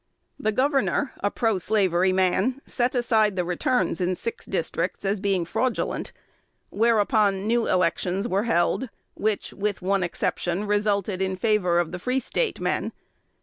The governor, a proslavery man, set aside the returns in six districts, as being fraudulent; whereupon new elections were held, which, with one exception, resulted in favor of the Free State men.